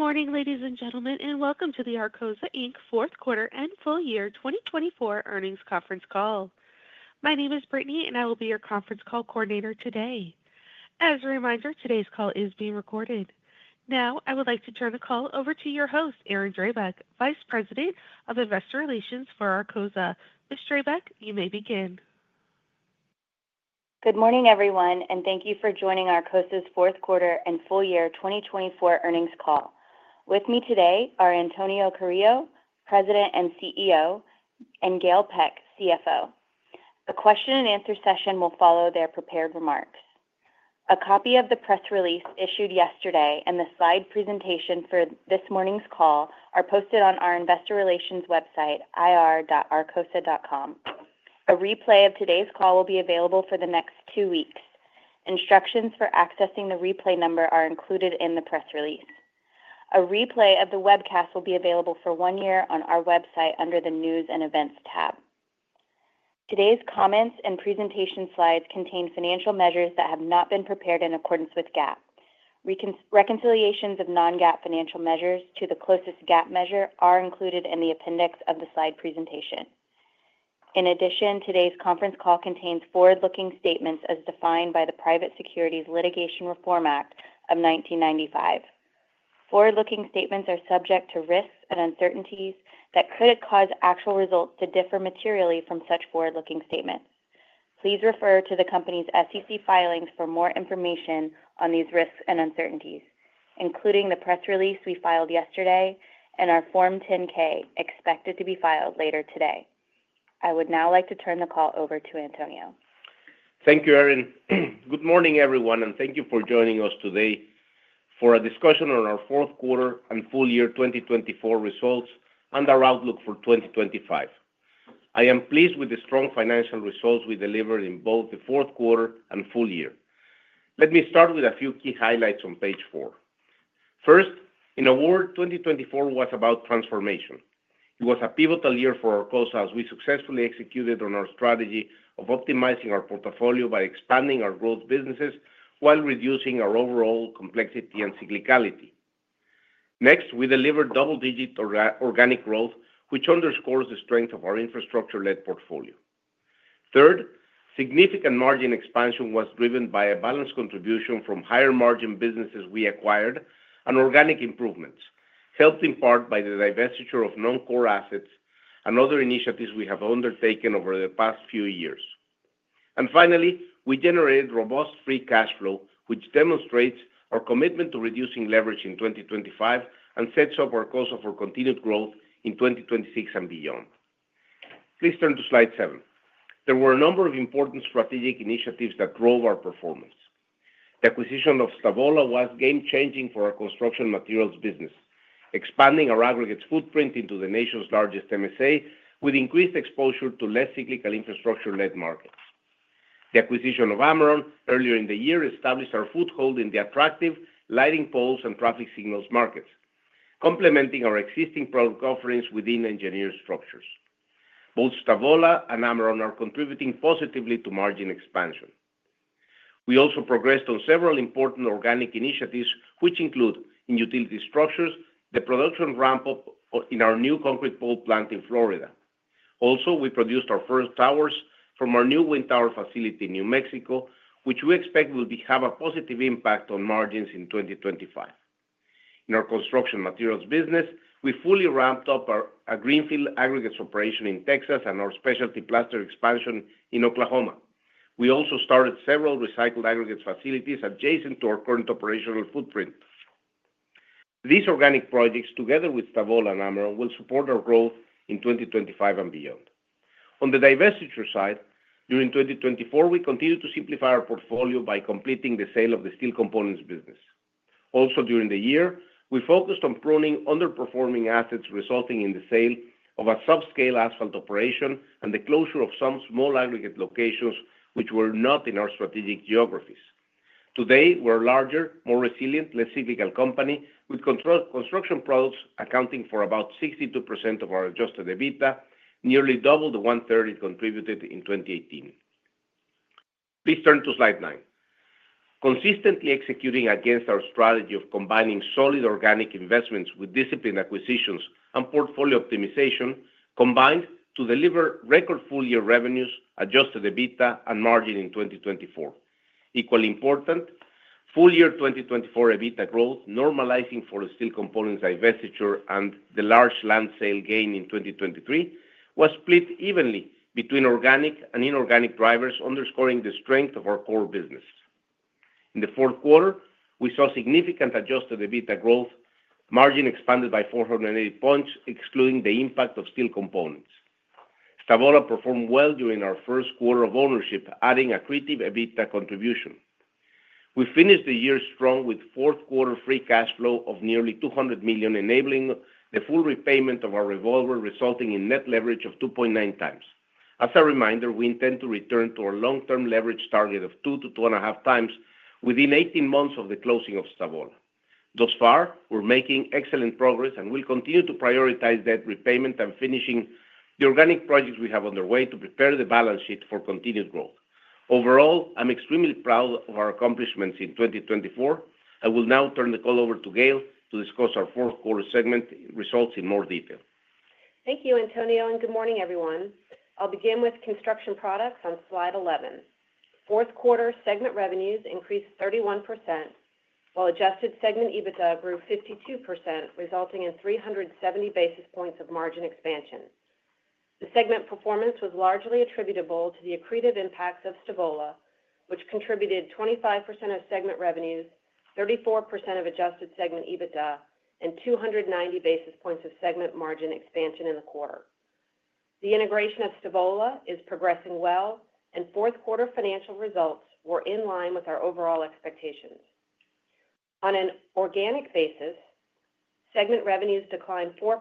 Good morning, ladies and gentlemen, and welcome to the Arcosa Inc. Fourth Quarter and Full Year 2024 Earnings Conference Call. My name is Brittany, and I will be your conference call coordinator today. As a reminder, today's call is being recorded. Now, I would like to turn the call over to your host, Erin Drabek, Vice President of Investor Relations for Arcosa. Ms. Drabek, you may begin. Good morning, everyone, and thank you for joining Arcosa's Fourth Quarter and Full Year 2024 Earnings Call. With me today are Antonio Carrillo, President and CEO, and Gail Peck, CFO. The question-and-answer session will follow their prepared remarks. A copy of the press release issued yesterday and the slide presentation for this morning's call are posted on our investor relations website, ir.arcosa.com. A replay of today's call will be available for the next two weeks. Instructions for accessing the replay number are included in the press release. A replay of the webcast will be available for one year on our website under the News and Events tab. Today's comments and presentation slides contain financial measures that have not been prepared in accordance with GAAP. Reconciliations of non-GAAP financial measures to the closest GAAP measure are included in the appendix of the slide presentation. In addition, today's conference call contains forward-looking statements as defined by the Private Securities Litigation Reform Act of 1995. Forward-looking statements are subject to risks and uncertainties that could cause actual results to differ materially from such forward-looking statements. Please refer to the company's SEC filings for more information on these risks and uncertainties, including the press release we filed yesterday and our Form 10-K expected to be filed later today. I would now like to turn the call over to Antonio. Thank you, Erin. Good morning, everyone, and thank you for joining us today for a discussion on our fourth quarter and full year 2024 results and our outlook for 2025. I am pleased with the strong financial results we delivered in both the fourth quarter and full year. Let me start with a few key highlights on page four. First, in our world, 2024 was about transformation. It was a pivotal year for Arcosa as we successfully executed on our strategy of optimizing our portfolio by expanding our growth businesses while reducing our overall complexity and cyclicality. Next, we delivered double-digit organic growth, which underscores the strength of our infrastructure-led portfolio. Third, significant margin expansion was driven by a balanced contribution from higher margin businesses we acquired and organic improvements, helped in part by the divestiture of non-core assets and other initiatives we have undertaken over the past few years. Finally, we generated robust free cash flow, which demonstrates our commitment to reducing leverage in 2025 and sets up our case for continued growth in 2026 and beyond. Please turn to slide seven. There were a number of important strategic initiatives that drove our performance. The acquisition of Stavola was game-changing for our construction materials business, expanding our aggregate footprint into the nation's largest MSA with increased exposure to less cyclical infrastructure-led markets. The acquisition of Ameron earlier in the year established our foothold in the attractive lighting poles and traffic signals markets, complementing our existing product offerings within Engineered Structures. Both Stavola and Ameron are contributing positively to margin expansion. We also progressed on several important organic initiatives, which include in Utility Structures, the production ramp-up in our new concrete pole plant in Florida. Also, we produced our first towers from our new Wind Towers facility in New Mexico, which we expect will have a positive impact on margins in 2025. In our construction materials business, we fully ramped up our greenfield aggregates operation in Texas and our specialty plaster expansion in Oklahoma. We also started several recycled aggregates facilities adjacent to our current operational footprint. These organic projects, together with Stavola and Ameron, will support our growth in 2025 and beyond. On the divestiture side, during 2024, we continued to simplify our portfolio by completing the sale of the steel components business. Also, during the year, we focused on pruning underperforming assets, resulting in the sale of a subscale asphalt operation and the closure of some small aggregate locations which were not in our strategic geographies. Today, we're a larger, more resilient, less cyclical company with Construction Products accounting for about 62% of our adjusted EBITDA, nearly double the 31% contributed in 2018. Please turn to slide nine. Consistently executing against our strategy of combining solid organic investments with disciplined acquisitions and portfolio optimization combined to deliver record full-year revenues, adjusted EBITDA, and margin in 2024. Equally important, full-year 2024 EBITDA growth, normalizing for the steel components divestiture and the large land sale gain in 2023, was split evenly between organic and inorganic drivers, underscoring the strength of our core business. In the fourth quarter, we saw significant adjusted EBITDA growth, margin expanded by 480 points, excluding the impact of steel components. Stavola performed well during our first quarter of ownership, adding a credible EBITDA contribution. We finished the year strong with fourth quarter free cash flow of nearly $200 million, enabling the full repayment of our revolver, resulting in net leverage of 2.9 times. As a reminder, we intend to return to our long-term leverage target of 2-2.5 times within 18 months of the closing of Stavola. Thus far, we're making excellent progress and will continue to prioritize debt repayment and finishing the organic projects we have underway to prepare the balance sheet for continued growth. Overall, I'm extremely proud of our accomplishments in 2024. I will now turn the call over to Gail to discuss our fourth quarter segment results in more detail. Thank you, Antonio, and good morning, everyone. I'll begin with Construction Products on slide 11. Fourth quarter segment revenues increased 31%, while adjusted segment EBITDA grew 52%, resulting in 370 basis points of margin expansion. The segment performance was largely attributable to the accretive impacts of Stavola, which contributed 25% of segment revenues, 34% of adjusted segment EBITDA, and 290 basis points of segment margin expansion in the quarter. The integration of Stavola is progressing well, and fourth quarter financial results were in line with our overall expectations. On an organic basis, segment revenues declined 4%,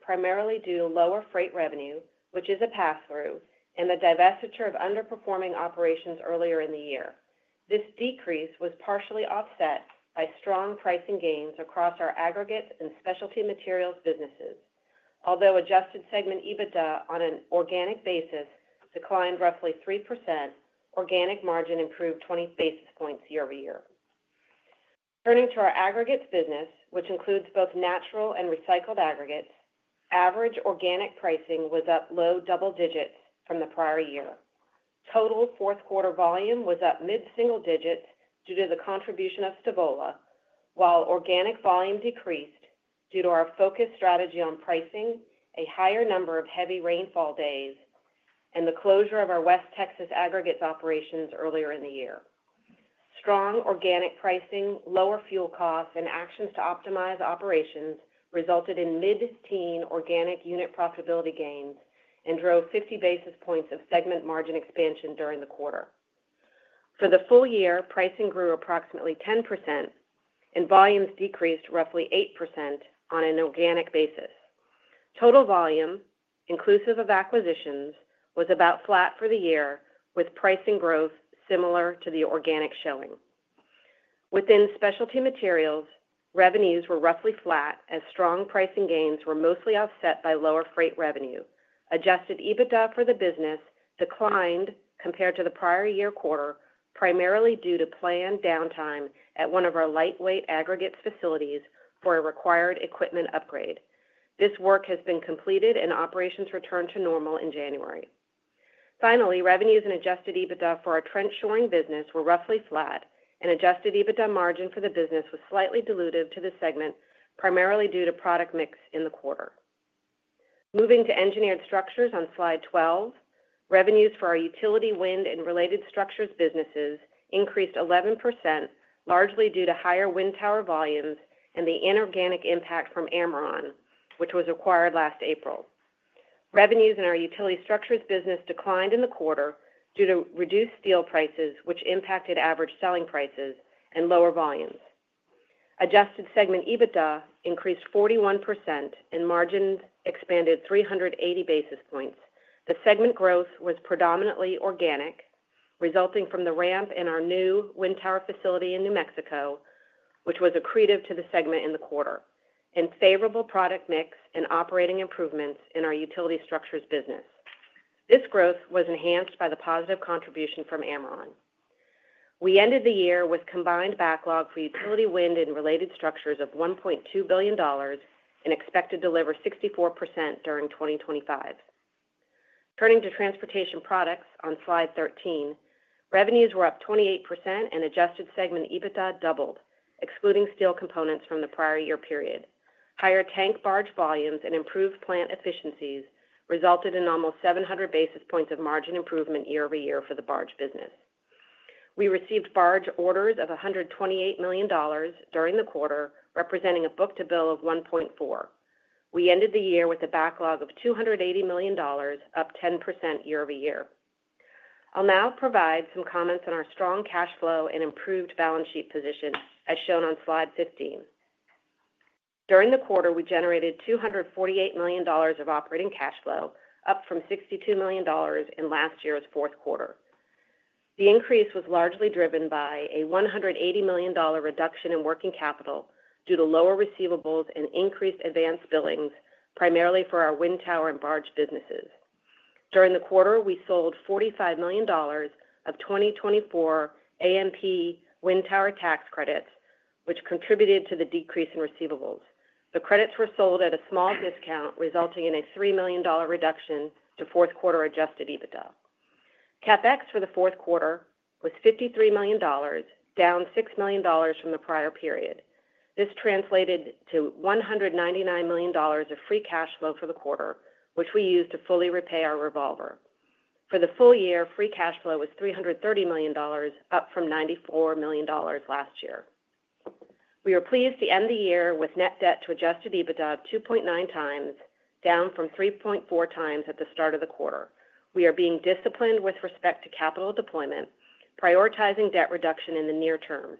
primarily due to lower freight revenue, which is a pass-through, and the divestiture of underperforming operations earlier in the year. This decrease was partially offset by strong pricing gains across our aggregate and specialty materials businesses. Although adjusted segment EBITDA on an organic basis declined roughly 3%, organic margin improved 20 basis points year-over-year. Turning to our aggregates business, which includes both natural and recycled aggregates, average organic pricing was up low double digits from the prior year. Total fourth quarter volume was up mid-single digits due to the contribution of Stavola, while organic volume decreased due to our focus strategy on pricing, a higher number of heavy rainfall days, and the closure of our West Texas aggregates operations earlier in the year. Strong organic pricing, lower fuel costs, and actions to optimize operations resulted in mid-teen organic unit profitability gains and drove 50 basis points of segment margin expansion during the quarter. For the full year, pricing grew approximately 10%, and volumes decreased roughly 8% on an organic basis. Total volume, inclusive of acquisitions, was about flat for the year, with pricing growth similar to the organic showing. Within specialty materials, revenues were roughly flat as strong pricing gains were mostly offset by lower freight revenue. Adjusted EBITDA for the business declined compared to the prior year quarter, primarily due to planned downtime at one of our lightweight aggregates facilities for a required equipment upgrade. This work has been completed, and operations returned to normal in January. Finally, revenues and adjusted EBITDA for our Trench Shoring business were roughly flat, and adjusted EBITDA margin for the business was slightly diluted to the segment, primarily due to product mix in the quarter. Moving to Engineered Structures on slide 12, revenues for our utility wind and related structures businesses increased 11%, largely due to higher Wind Towers volumes and the inorganic impact from Ameron, which was acquired last April. Revenues in our Utility Structures business declined in the quarter due to reduced steel prices, which impacted average selling prices and lower volumes. Adjusted segment EBITDA increased 41%, and margins expanded 380 basis points. The segment growth was predominantly organic, resulting from the ramp in our new Wind Towers facility in New Mexico, which was accretive to the segment in the quarter, and favorable product mix and operating improvements in our Utility Structures business. This growth was enhanced by the positive contribution from Ameron. We ended the year with combined backlog for utility wind and related structures of $1.2 billion and expected to deliver 64% during 2025. Turning to transportation products on slide 13, revenues were up 28%, and adjusted segment EBITDA doubled, excluding steel components from the prior year period. Higher tank Barge volumes and improved plant efficiencies resulted in almost 700 basis points of margin improvement year-over-year for the barge business. We received barge orders of $128 million during the quarter, representing a book to bill of 1.4. We ended the year with a backlog of $280 million, up 10% year-over-year. I'll now provide some comments on our strong cash flow and improved balance sheet position, as shown on slide 15. During the quarter, we generated $248 million of operating cash flow, up from $62 million in last year's fourth quarter. The increase was largely driven by a $180 million reduction in working capital due to lower receivables and increased advance billings, primarily for our Wind Towers and barge businesses. During the quarter, we sold $45 million of 2024 AMP Wind Towers tax credits, which contributed to the decrease in receivables. The credits were sold at a small discount, resulting in a $3 million reduction to fourth quarter Adjusted EBITDA. CapEx for the fourth quarter was $53 million, down $6 million from the prior period. This translated to $199 million of free cash flow for the quarter, which we used to fully repay our revolver. For the full year, free cash flow was $330 million, up from $94 million last year. We are pleased to end the year with net debt to Adjusted EBITDA of 2.9 times, down from 3.4 times at the start of the quarter. We are being disciplined with respect to capital deployment, prioritizing debt reduction in the near term.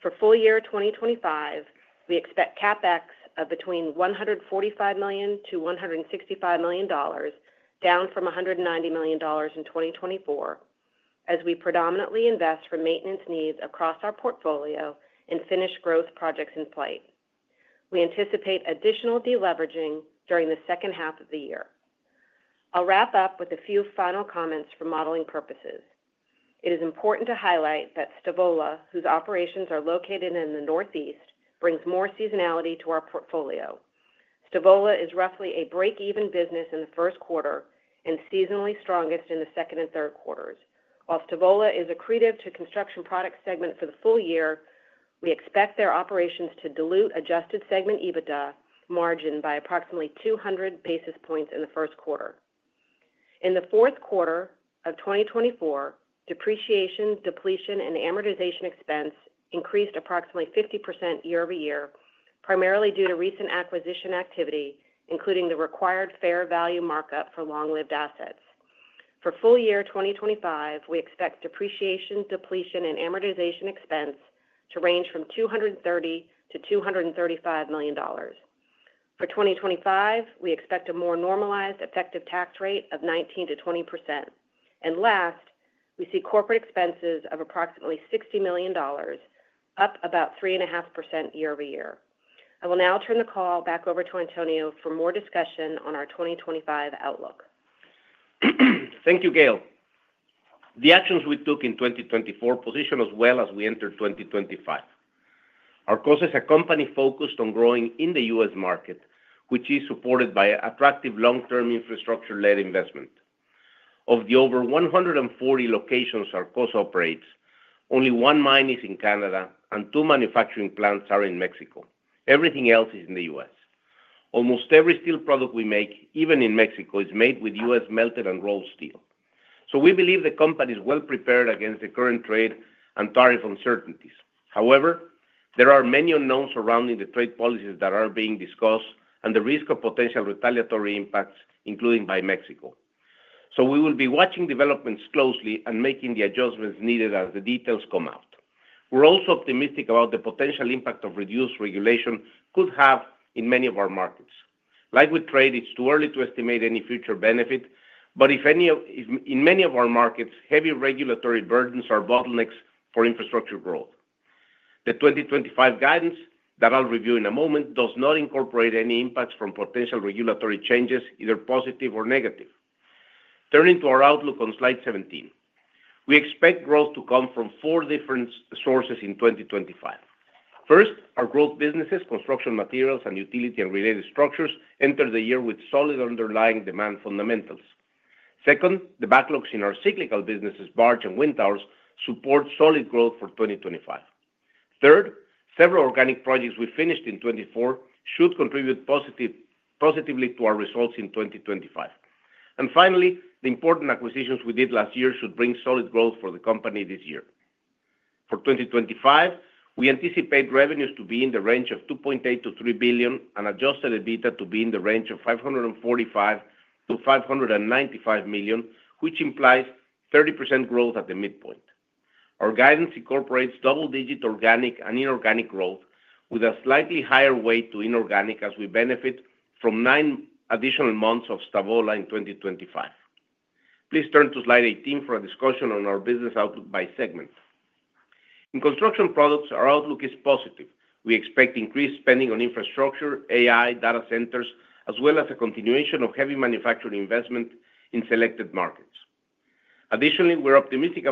For full year 2025, we expect CapEx of between $145 million to $165 million, down from $190 million in 2024, as we predominantly invest for maintenance needs across our portfolio and finish growth projects in play. We anticipate additional deleveraging during the second half of the year. I'll wrap up with a few final comments for modeling purposes. It is important to highlight that Stavola, whose operations are located in the Northeast, brings more seasonality to our portfolio. Stavola is roughly a break-even business in the first quarter and seasonally strongest in the second and third quarters. While Stavola is accretive to Construction Products segment for the full year, we expect their operations to dilute Adjusted segment EBITDA margin by approximately 200 basis points in the first quarter. In the fourth quarter of 2024, depreciation, depletion, and amortization expense increased approximately 50% year-over-year, primarily due to recent acquisition activity, including the required fair value markup for long-lived assets. For full year 2025, we expect depreciation, depletion, and amortization expense to range from $230 million-$235 million. For 2025, we expect a more normalized effective tax rate of 19%-20%. And last, we see corporate expenses of approximately $60 million, up about 3.5% year-over-year. I will now turn the call back over to Antonio for more discussion on our 2025 outlook. Thank you, Gail. The actions we took in 2024 position us well as we entered 2025. Our Arcosa is a company focused on growing in the U.S. market, which is supported by attractive long-term infrastructure-led investment. Of the over 140 locations our Arcosa operates, only one mine is in Canada and two manufacturing plants are in Mexico. Everything else is in the U.S. Almost every steel product we make, even in Mexico, is made with U.S. melted and rolled steel. So we believe the company is well prepared against the current trade and tariff uncertainties. However, there are many unknowns surrounding the trade policies that are being discussed and the risk of potential retaliatory impacts, including by Mexico. So we will be watching developments closely and making the adjustments needed as the details come out. We're also optimistic about the potential impact of reduced regulation could have in many of our markets. Like with trade, it's too early to estimate any future benefit, but in many of our markets, heavy regulatory burdens are bottlenecks for infrastructure growth. The 2025 guidance that I'll review in a moment does not incorporate any impacts from potential regulatory changes, either positive or negative. Turning to our outlook on slide 17, we expect growth to come from four different sources in 2025. First, our growth businesses, construction materials and utility and related structures, entered the year with solid underlying demand fundamentals. Second, the backlogs in our cyclical businesses, barge and Wind Towers, support solid growth for 2025. Third, several organic projects we finished in 2024 should contribute positively to our results in 2025. Finally, the important acquisitions we did last year should bring solid growth for the company this year. For 2025, we anticipate revenues to be in the range of $2.8 billion-$3 billion and Adjusted EBITDA to be in the range of $545 million-$595 million, which implies 30% growth at the midpoint. Our guidance incorporates double-digit organic and inorganic growth with a slightly higher weight to inorganic as we benefit from nine additional months of Stavola in 2025. Please turn to slide 18 for a discussion on our business outlook by segment. In Construction Products, our outlook is positive. We expect increased spending on infrastructure, AI, data centers, as well as a continuation of heavy manufacturing investment in selected markets. Additionally, we're optimistic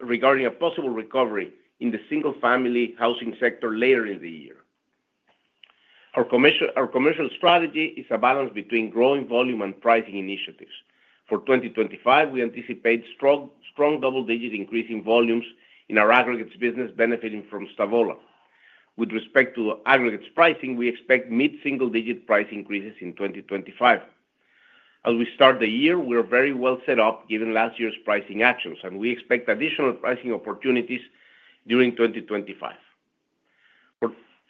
regarding a possible recovery in the single-family housing sector later in the year. Our commercial strategy is a balance between growing volume and pricing initiatives. For 2025, we anticipate strong double-digit increasing volumes in our aggregates business benefiting from Stavola. With respect to aggregates pricing, we expect mid-single-digit price increases in 2025. As we start the year, we are very well set up given last year's pricing actions, and we expect additional pricing opportunities during 2025.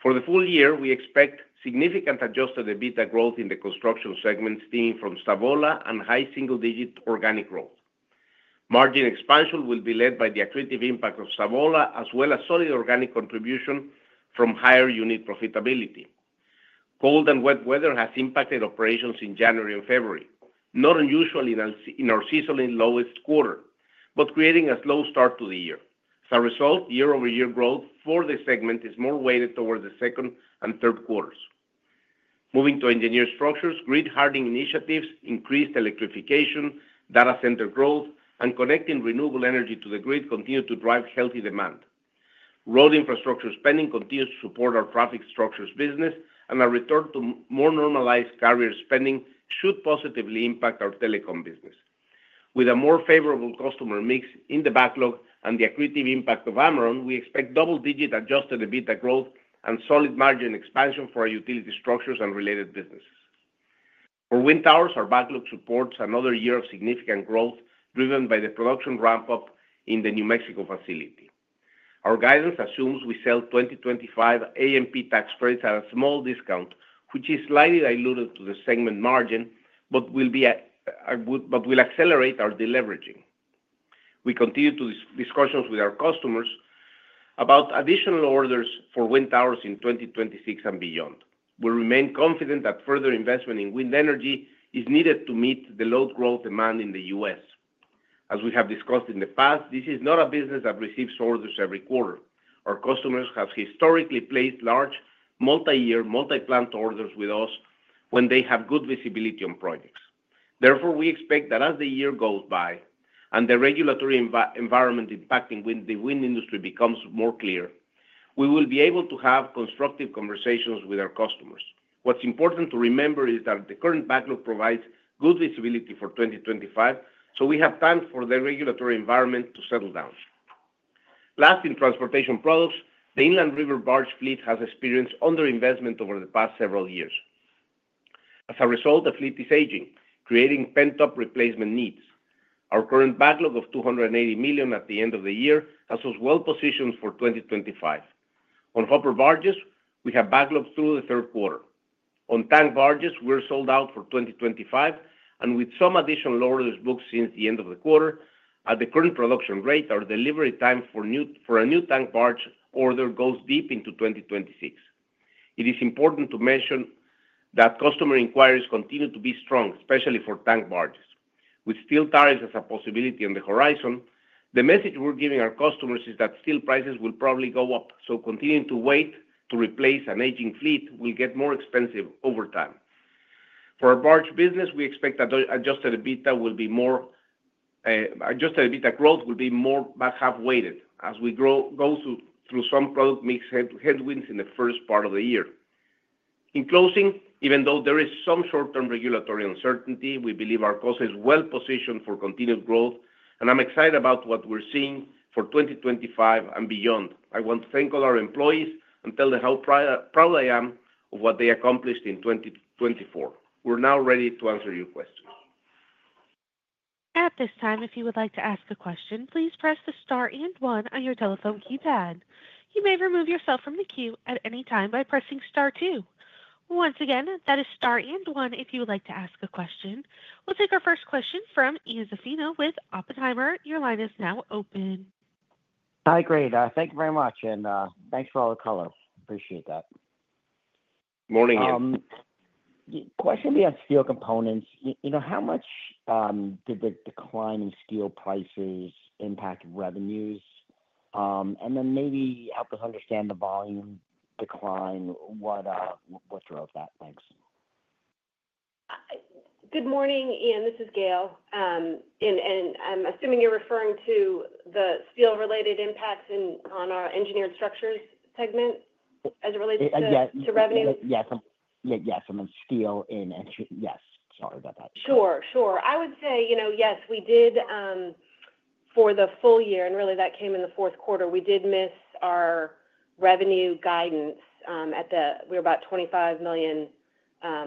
For the full year, we expect significant Adjusted EBITDA growth in the construction segment stemming from Stavola and high single-digit organic growth. Margin expansion will be led by the accretive impact of Stavola as well as solid organic contribution from higher unit profitability. Cold and wet weather has impacted operations in January and February, not unusual in our seasonally lowest quarter, but creating a slow start to the year. As a result, year-over-year growth for the segment is more weighted towards the second and third quarters. Moving to Engineered Structures, grid hardening initiatives, increased electrification, data center growth, and connecting renewable energy to the grid continue to drive healthy demand. Road infrastructure spending continues to support our traffic structures business, and a return to more normalized carrier spending should positively impact our telecom business. With a more favorable customer mix in the backlog and the accretive impact of Ameron, we expect double-digit adjusted EBITDA growth and solid margin expansion for our Utility Structures and related businesses. For Wind Towers, our backlog supports another year of significant growth driven by the production ramp-up in the New Mexico facility. Our guidance assumes we sell 2025 AMP tax credits at a small discount, which is slightly diluted to the segment margin, but will accelerate our deleveraging. We continue discussions with our customers about additional orders for Wind Towers in 2026 and beyond. We remain confident that further investment in wind energy is needed to meet the low growth demand in the U.S. As we have discussed in the past, this is not a business that receives orders every quarter. Our customers have historically placed large multi-year, multi-plant orders with us when they have good visibility on projects. Therefore, we expect that as the year goes by and the regulatory environment impacting the wind industry becomes more clear, we will be able to have constructive conversations with our customers. What's important to remember is that the current backlog provides good visibility for 2025, so we have time for the regulatory environment to settle down. Last, in transportation products, the Inland River barge fleet has experienced underinvestment over the past several years. As a result, the fleet is aging, creating pent-up replacement needs. Our current backlog of $280 million at the end of the year has us well positioned for 2025. On hopper barges, we have backlogs through the third quarter. On tank barges, we're sold out for 2025, and with some additional orders booked since the end of the quarter, at the current production rate, our delivery time for a new tank Barge order goes deep into 2026. It is important to mention that customer inquiries continue to be strong, especially for tank barges. With steel tariffs as a possibility on the horizon, the message we're giving our customers is that steel prices will probably go up, so continuing to wait to replace an aging fleet will get more expensive over time. For our barge business, we expect Adjusted EBITDA growth will be more back half-weighted as we go through some product mix headwinds in the first part of the year. In closing, even though there is some short-term regulatory uncertainty, we believe our ops is well positioned for continued growth, and I'm excited about what we're seeing for 2025 and beyond. I want to thank all our employees and tell them how proud I am of what they accomplished in 2024. We're now ready to answer your questions. At this time, if you would like to ask a question, please press the star and one on your telephone keypad. You may remove yourself from the queue at any time by pressing star two. Once again, that is star and one if you would like to ask a question. We'll take our first question from Ian Zaffino with Oppenheimer. Your line is now open. Hi, great. Thank you very much, and thanks for all the calls. Appreciate that. Morning, Ian. Question being steel components. How much did the decline in steel prices impact revenues? And then maybe help us understand the volume decline. What drove that? Thanks. Good morning, Ian. This is Gail, and I'm assuming you're referring to the steel-related impacts on our Engineered Structures segment as it relates to revenue? Yes. Yes. I'm still in, yes. Sorry about that. Sure. Sure. I would say, yes, we did for the full year, and really that came in the fourth quarter. We did miss our revenue guidance. We were about $25 million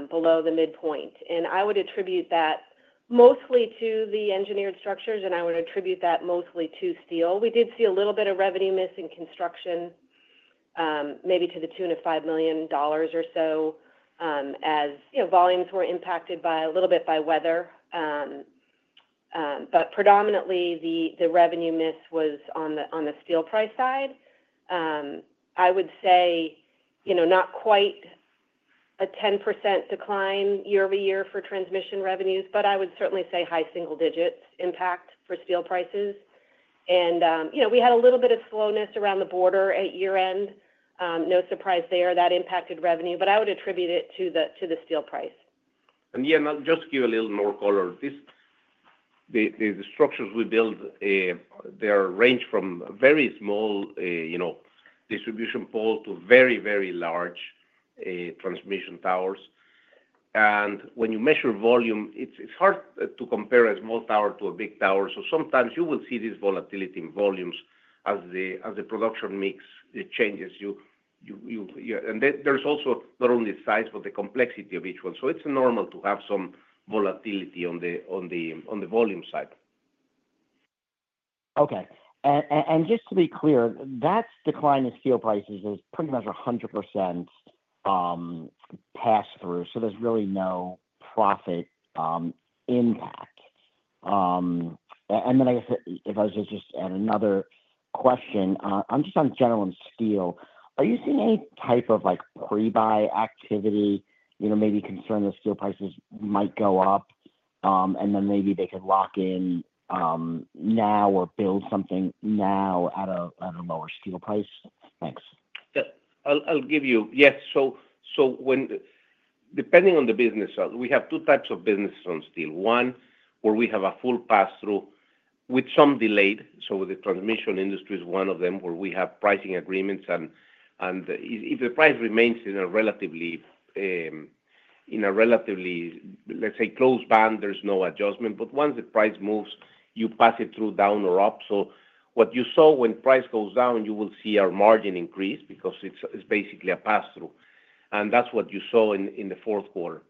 below the midpoint. And I would attribute that mostly to the Engineered Structures, and I would attribute that mostly to steel. We did see a little bit of revenue miss in construction, maybe to the tune of $5 million or so as volumes were impacted a little bit by weather. But predominantly, the revenue miss was on the steel price side. I would say not quite a 10% decline year-over-year for transmission revenues, but I would certainly say high single-digit impact for steel prices. And we had a little bit of slowness around the border at year-end. No surprise there. That impacted revenue, but I would attribute it to the steel price. I'll just give you a little more color. The structures we build, they range from very small distribution poles to very, very large transmission towers. And when you measure volume, it's hard to compare a small tower to a big tower. So sometimes you will see this volatility in volumes as the production mix changes. And there's also not only the size, but the complexity of each one. So it's normal to have some volatility on the volume side. Okay. And just to be clear, that decline in steel prices is pretty much 100% pass-through, so there's really no profit impact. And then I guess if I was to just add another question, I'm just on general and steel. Are you seeing any type of pre-buy activity, maybe concern that steel prices might go up, and then maybe they could lock in now or build something now at a lower steel price? Thanks. I'll give you yes. So depending on the business, we have two types of businesses on steel. One where we have a full pass-through with some delay. So the transmission industry is one of them where we have pricing agreements. And if the price remains in a relatively, let's say, close band, there's no adjustment. But once the price moves, you pass it through down or up. So what you saw when price goes down, you will see our margin increase because it's basically a pass-through. And that's what you saw in the fourth quarter.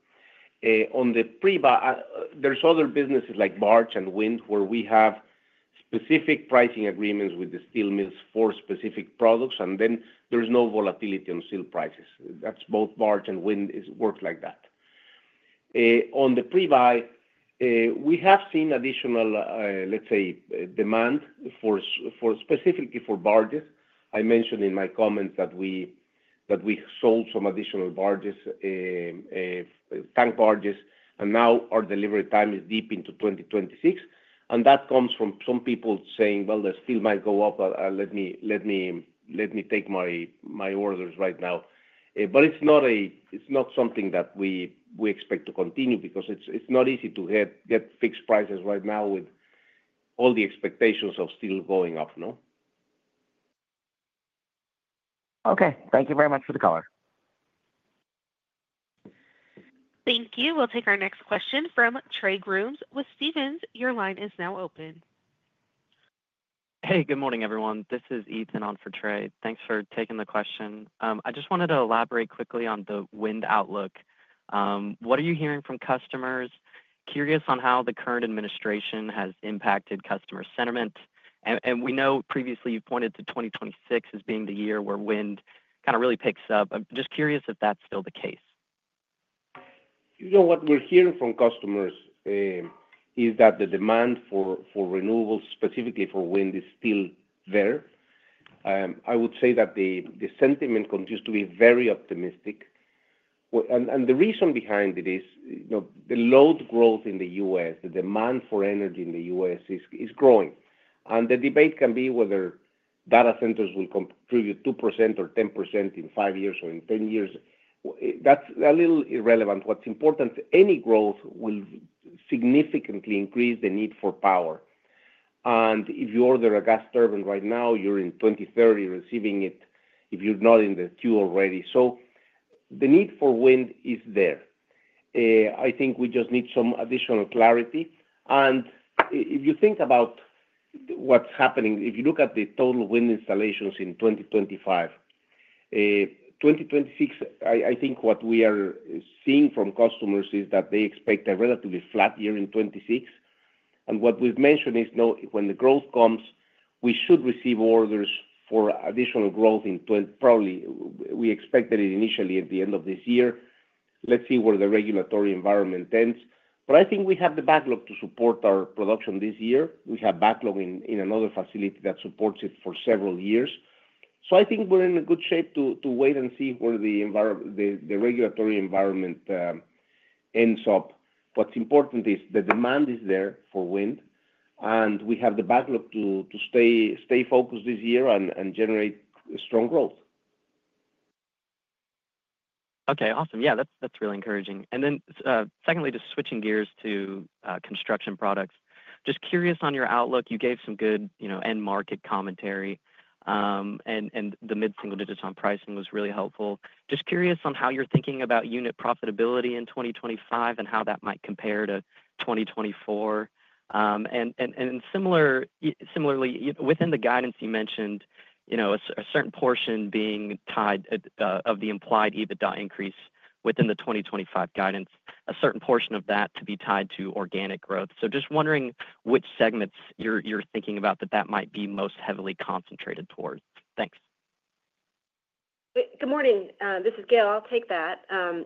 On the pre-buy, there's other businesses like barge and wind where we have specific pricing agreements with the steel mills for specific products, and then there's no volatility on steel prices. That's both barge and wind. It works like that. On the pre-buy, we have seen additional, let's say, demand specifically for barges. I mentioned in my comments that we sold some additional barges, tank barges, and now our delivery time is deep into 2026, and that comes from some people saying, "Well, the steel might go up. Let me take my orders right now," but it's not something that we expect to continue because it's not easy to get fixed prices right now with all the expectations of steel going up. Okay. Thank you very much for the call. Thank you. We'll take our next question from Trey Grooms with Stephens. Your line is now open. Hey, good morning, everyone. This is Ethan on for Trey. Thanks for taking the question. I just wanted to elaborate quickly on the wind outlook. What are you hearing from customers? Curious on how the current administration has impacted customer sentiment, and we know previously you pointed to 2026 as being the year where wind kind of really picks up. I'm just curious if that's still the case. You know what we're hearing from customers is that the demand for renewables, specifically for wind, is still there. I would say that the sentiment continues to be very optimistic. And the reason behind it is the load growth in the U.S., the demand for energy in the U.S. is growing. And the debate can be whether data centers will contribute 2% or 10% in five years or in 10 years. That's a little irrelevant. What's important, any growth will significantly increase the need for power. And if you order a gas turbine right now, you're in 2030 receiving it if you're not in the queue already. So the need for wind is there. I think we just need some additional clarity. And if you think about what's happening, if you look at the total wind installations in 2025, 2026, I think what we are seeing from customers is that they expect a relatively flat year in 2026. And what we've mentioned is when the growth comes, we should receive orders for additional growth in 2027. Probably we expected it initially at the end of this year. Let's see where the regulatory environment ends. But I think we have the backlog to support our production this year. We have backlog in another facility that supports it for several years. So I think we're in good shape to wait and see where the regulatory environment ends up. What's important is the demand is there for wind, and we have the backlog to stay focused this year and generate strong growth. Okay. Awesome. Yeah, that's really encouraging. And then secondly, just switching gears to Construction Products. Just curious on your outlook. You gave some good end-market commentary, and the mid-single digits on pricing was really helpful. Just curious on how you're thinking about unit profitability in 2025 and how that might compare to 2024. And similarly, within the guidance you mentioned, a certain portion of the implied EBITDA increase within the 2025 guidance to be tied to organic growth. So just wondering which segments you're thinking about that might be most heavily concentrated towards. Thanks. Good morning. This is Gail. I'll take that.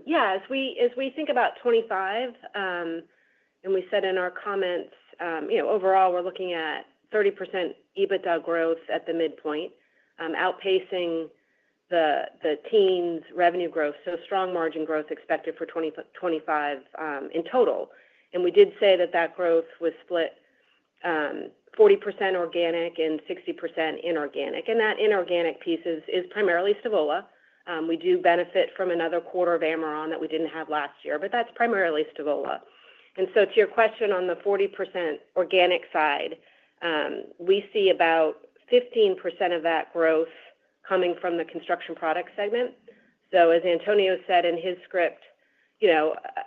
Yeah. As we think about 2025, and we said in our comments, overall, we're looking at 30% EBITDA growth at the midpoint, outpacing the teens' revenue growth. So strong margin growth expected for 2025 in total. And we did say that that growth was split 40% organic and 60% inorganic. And that inorganic piece is primarily Stavola. We do benefit from another quarter of Ameron that we didn't have last year, but that's primarily Stavola. And so to your question on the 40% organic side, we see about 15% of that growth coming from the construction product segment. So as Antonio said in his script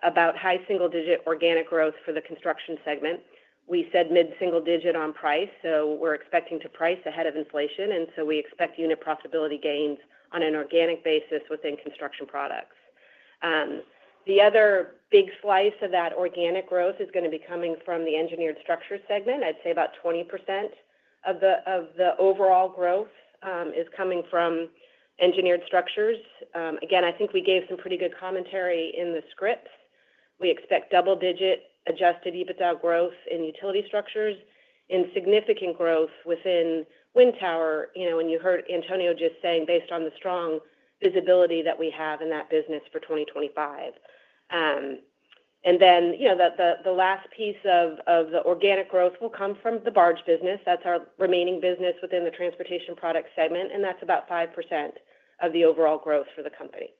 about high single-digit organic growth for the construction segment, we said mid-single digit on price. So we're expecting to price ahead of inflation. And so we expect unit profitability gains on an organic basis within Construction Products. The other big slice of that organic growth is going to be coming from the engineered structure segment. I'd say about 20% of the overall growth is coming from Engineered Structures. Again, I think we gave some pretty good commentary in the script. We expect double-digit adjusted EBITDA growth in Utility Structures and significant growth within Wind Towers. And you heard Antonio just saying, based on the strong visibility that we have in that business for 2025. And then the last piece of the organic growth will come from the barge business. That's our remaining business within the transportation product segment, and that's about 5% of the overall growth for the company.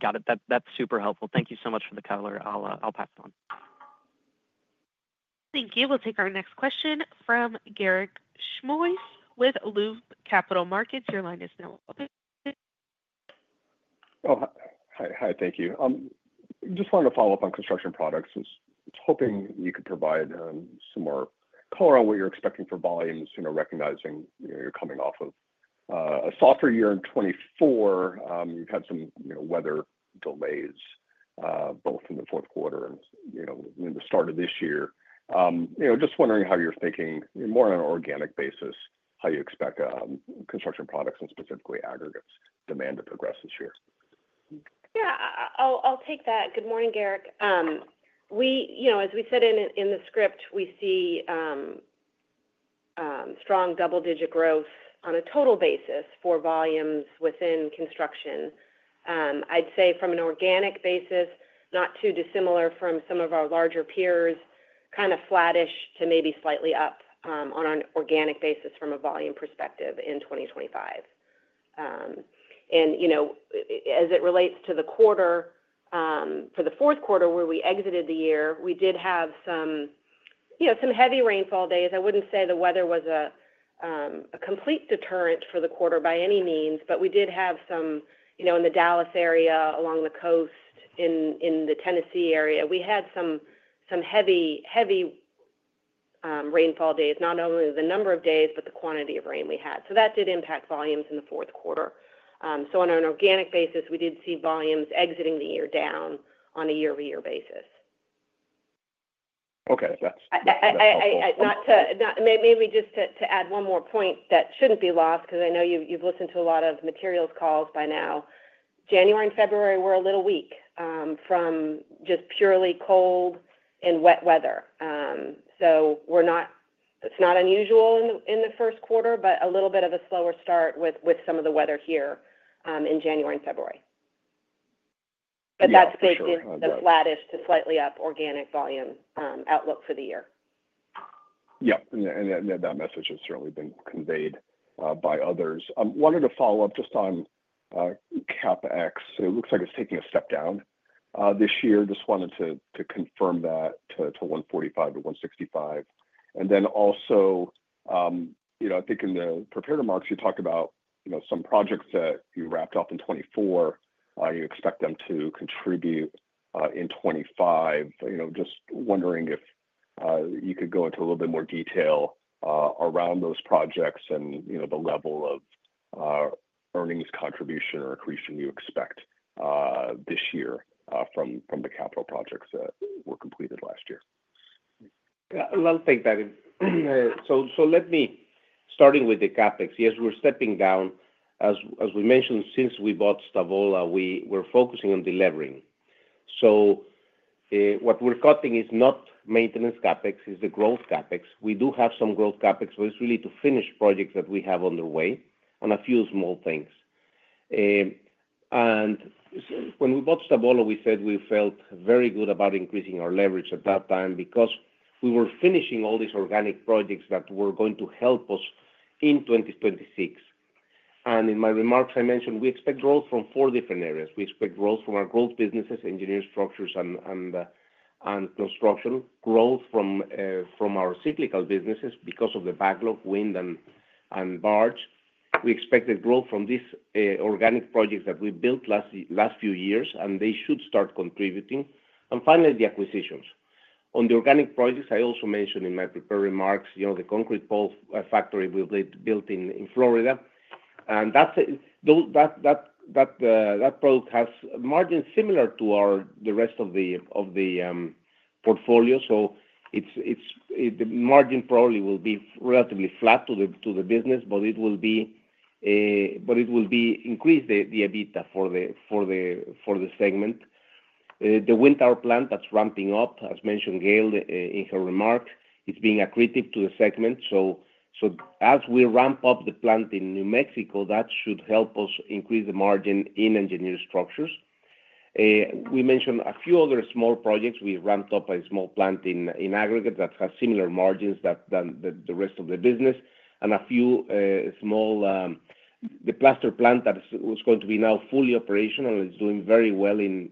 Got it. That's super helpful. Thank you so much for the color. I'll pass it on. Thank you. We'll take our next question from Garik Shmois with Loop Capital Markets. Your line is now open. Hi. Thank you. Just wanted to follow up on Construction Products. Just hoping you could provide some more color on what you're expecting for volumes, recognizing you're coming off of a softer year in 2024. You've had some weather delays both in the fourth quarter and in the start of this year. Just wondering how you're thinking more on an organic basis, how you expect Construction Products and specifically aggregates demand to progress this year? Yeah. I'll take that. Good morning, Garik. As we said in the script, we see strong double-digit growth on a total basis for volumes within construction. I'd say from an organic basis, not too dissimilar from some of our larger peers, kind of flattish to maybe slightly up on an organic basis from a volume perspective in 2025, and as it relates to the quarter, for the fourth quarter where we exited the year, we did have some heavy rainfall days. I wouldn't say the weather was a complete deterrent for the quarter by any means, but we did have some in the Dallas area, along the coast, in the Tennessee area. We had some heavy rainfall days, not only the number of days, but the quantity of rain we had, so that did impact volumes in the fourth quarter. So on an organic basis, we did see volumes exiting the year down on a year-over-year basis. Okay. That's. Maybe just to add one more point that shouldn't be lost because I know you've listened to a lot of materials calls by now. January and February were a little weak from just purely cold and wet weather. So it's not unusual in the first quarter, but a little bit of a slower start with some of the weather here in January and February. But that's the flattish to slightly up organic volume outlook for the year. Yeah. And that message has certainly been conveyed by others. I wanted to follow up just on CapEx. It looks like it's taking a step down this year. Just wanted to confirm that to $145-$165. And then also, I think in the prepared remarks, you talked about some projects that you wrapped up in 2024. You expect them to contribute in 2025. Just wondering if you could go into a little bit more detail around those projects and the level of earnings contribution or accretion you expect this year from the capital projects that were completed last year. Thank you, Garik. Starting with the CapEx, yes, we're stepping down. As we mentioned, since we bought Stavola, we're focusing on delivering. What we're cutting is not maintenance CapEx. It's the growth CapEx. We do have some growth CapEx, but it's really to finish projects that we have underway on a few small things. And when we bought Stavola, we said we felt very good about increasing our leverage at that time because we were finishing all these organic projects that were going to help us in 2026. In my remarks, I mentioned we expect growth from four different areas. We expect growth from our growth businesses, Engineered Structures, and construction, growth from our cyclical businesses because of the backlog, wind, and barge. We expected growth from these organic projects that we built last few years, and they should start contributing. And finally, the acquisitions. On the organic projects, I also mentioned in my prepared remarks the concrete pole factory we built in Florida. And that product has margins similar to the rest of the portfolio. So the margin probably will be relatively flat to the business, but it will be increased the EBITDA for the segment. The Wind Towers plant that's ramping up, as mentioned, Gail in her remarks, is being accretive to the segment. So as we ramp up the plant in New Mexico, that should help us increase the margin in Engineered Structures. We mentioned a few other small projects. We ramped up a small plant in aggregates that has similar margins than the rest of the business. The plaster plant that was going to be now fully operational and is doing very well in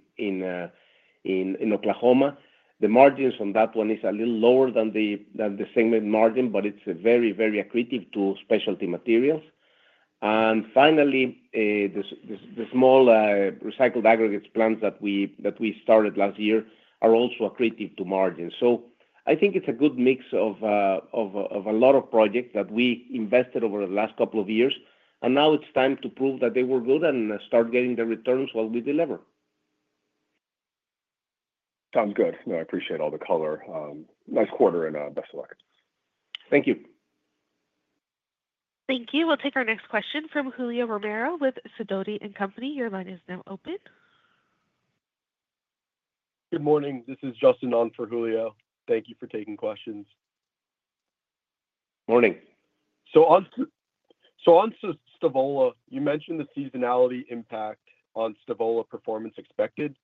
Oklahoma. The margins on that one is a little lower than the segment margin, but it's very, very accretive to specialty materials. And finally, the small recycled aggregates plants that we started last year are also accretive to margins. So I think it's a good mix of a lot of projects that we invested over the last couple of years. And now it's time to prove that they were good and start getting the returns while we deliver. Sounds good. No, I appreciate all the color. Nice quarter and best of luck. Thank you. Thank you. We'll take our next question from Julio Romero with Sidoti & Company. Your line is now open. Good morning. This is Justin on for Julio. Thank you for taking questions. Morning. So on Stavola, you mentioned the seasonality impact on Stavola performance expected.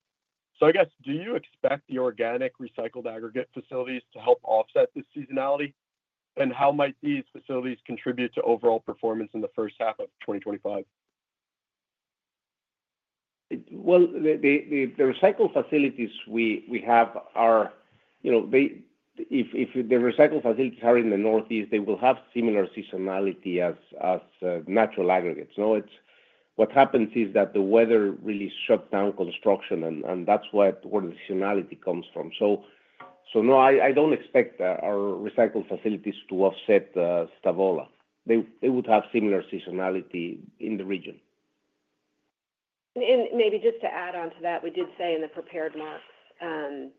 So I guess, do you expect the organic recycled aggregate facilities to help offset this seasonality? And how might these facilities contribute to overall performance in the first half of 2025? The recycled facilities we have are, if the recycled facilities are in the Northeast, they will have similar seasonality as natural aggregates. What happens is that the weather really shut down construction, and that's where the seasonality comes from. No, I don't expect our recycled facilities to offset Stavola. They would have similar seasonality in the region. Maybe just to add on to that, we did say in the prepared remarks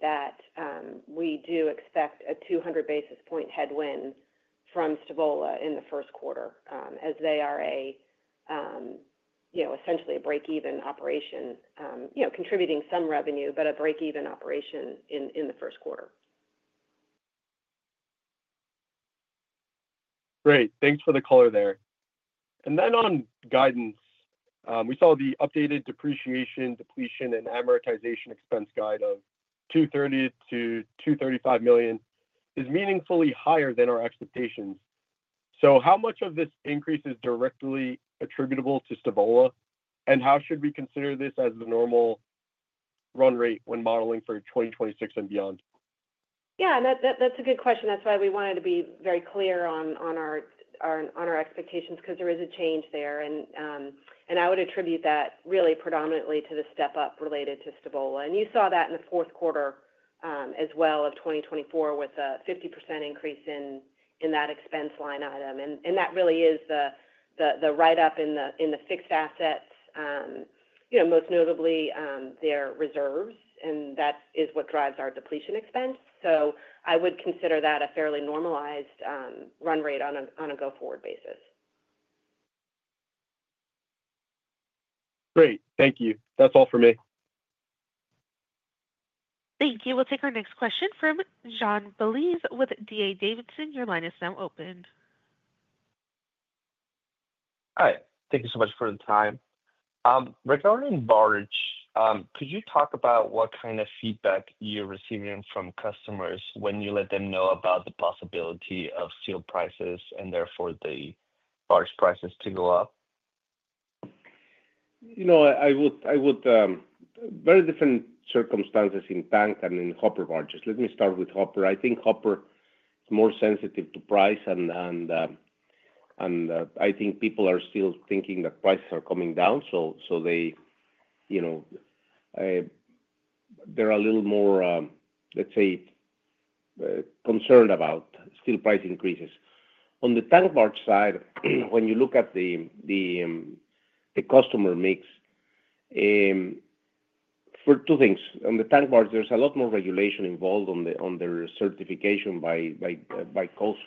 that we do expect a 200 basis points headwind from Stavola in the first quarter as they are essentially a break-even operation, contributing some revenue, but a break-even operation in the first quarter. Great. Thanks for the color there. And then on guidance, we saw the updated depreciation, depletion, and amortization expense guide of $230 million-$235 million is meaningfully higher than our expectations. So how much of this increase is directly attributable to Stavola, and how should we consider this as the normal run rate when modeling for 2026 and beyond? Yeah. That's a good question. That's why we wanted to be very clear on our expectations because there is a change there. And I would attribute that really predominantly to the step-up related to Stavola. And you saw that in the fourth quarter as well of 2024 with a 50% increase in that expense line item. And that really is the write-up in the fixed assets, most notably their reserves, and that is what drives our depletion expense. So I would consider that a fairly normalized run rate on a go-forward basis. Great. Thank you. That's all for me. Thank you. We'll take our next question from John Baugh with D.A. Davidson. Your line is now open. Hi. Thank you so much for the time. Regarding barge, could you talk about what kind of feedback you're receiving from customers when you let them know about the possibility of steel prices and therefore the barge prices to go up? We have very different circumstances in tank and hopper barges. Let me start with hopper. I think hopper is more sensitive to price, and I think people are still thinking that prices are coming down. So they're a little more, let's say, concerned about still price increases. On the tank Barge side, when you look at the customer mix, for two things. On the tank Barge, there's a lot more regulation involved on their certification by Coast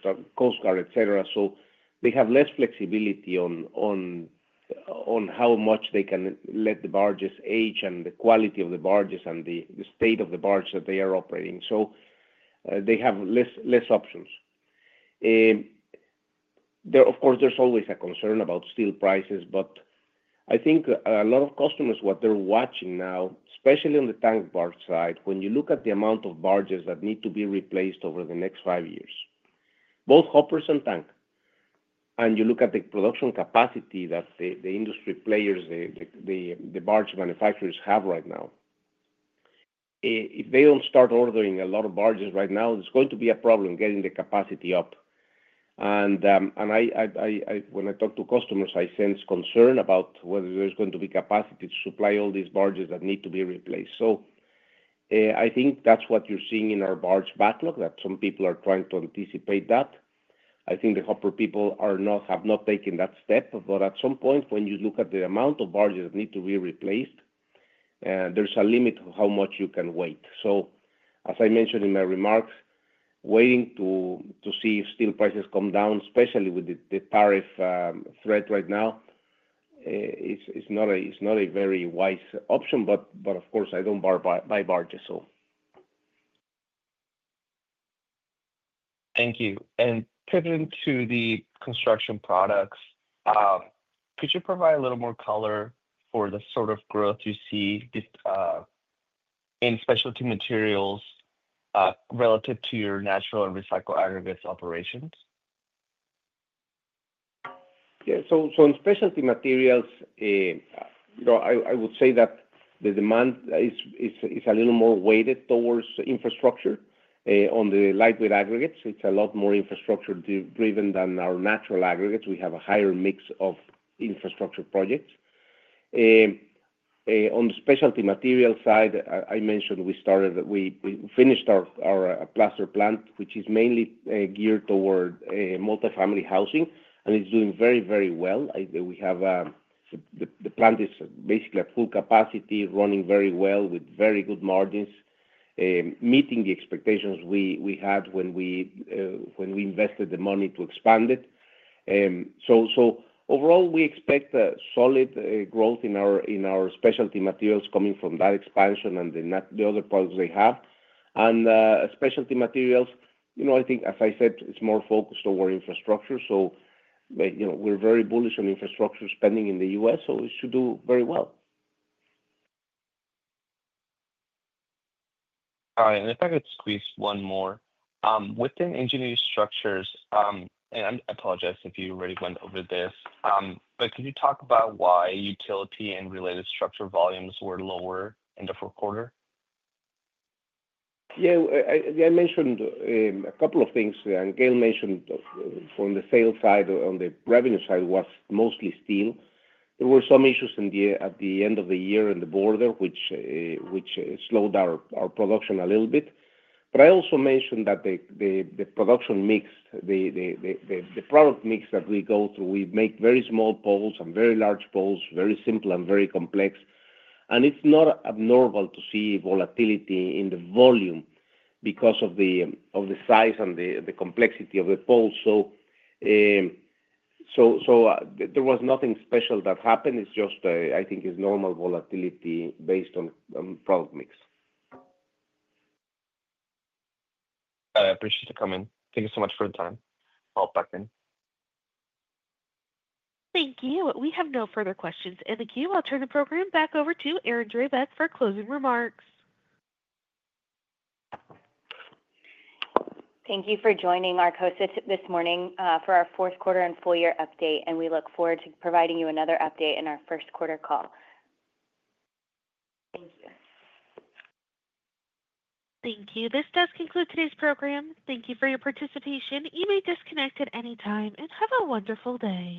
Guard, etc. So they have less flexibility on how much they can let the barges age and the quality of the barges and the state of the barge that they are operating. So they have less options. Of course, there's always a concern about steel prices, but I think a lot of customers, what they're watching now, especially on the tank Barge side, when you look at the amount of barges that need to be replaced over the next five years, both hoppers and tank, and you look at the production capacity that the industry players, the barge manufacturers have right now, if they don't start ordering a lot of barges right now, it's going to be a problem getting the capacity up. And when I talk to customers, I sense concern about whether there's going to be capacity to supply all these barges that need to be replaced. So I think that's what you're seeing in our barge backlog, that some people are trying to anticipate that. I think the hopper people have not taken that step. But at some point, when you look at the amount of barges that need to be replaced, there's a limit of how much you can wait. So as I mentioned in my remarks, waiting to see if steel prices come down, especially with the tariff threat right now, is not a very wise option. But of course, I don't buy barges, so. Thank you. And pivoting to the Construction Products, could you provide a little more color for the sort of growth you see in specialty materials relative to your natural and recycled aggregates operations? Yeah. So in specialty materials, I would say that the demand is a little more weighted towards infrastructure. On the lightweight aggregates, it's a lot more infrastructure-driven than our natural aggregates. We have a higher mix of infrastructure projects. On the specialty materials side, I mentioned we finished our plaster plant, which is mainly geared toward multifamily housing, and it's doing very, very well. The plant is basically at full capacity, running very well with very good margins, meeting the expectations we had when we invested the money to expand it. So overall, we expect solid growth in our specialty materials coming from that expansion and the other products they have. And specialty materials, I think, as I said, it's more focused toward infrastructure. So we're very bullish on infrastructure spending in the U.S., so it should do very well. All right. And if I could squeeze one more, within Engineered Structures, and I apologize if you already went over this, but could you talk about why utility and related structure volumes were lower in the fourth quarter? Yeah. I mentioned a couple of things. And Gail mentioned from the sales side or on the revenue side was mostly steel. There were some issues at the end of the year in the border, which slowed our production a little bit. But I also mentioned that the production mix, the product mix that we go through, we make very small poles and very large poles, very simple and very complex. And it's not abnormal to see volatility in the volume because of the size and the complexity of the poles. So there was nothing special that happened. It's just, I think, normal volatility based on product mix. I appreciate your comment. Thank you so much for your time. I'll be back in. Thank you. We have no further questions. And now I'll turn the program back over to Erin Drabek for closing remarks. Thank you for joining our call this morning for our fourth quarter and full year update, and we look forward to providing you another update in our first quarter call. Thank you. Thank you. This does conclude today's program. Thank you for your participation. You may disconnect at any time and have a wonderful day.